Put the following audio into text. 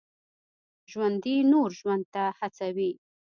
ژوندي نور ژوند ته هڅوي